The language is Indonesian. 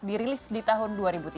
dirilis di tahun dua ribu tiga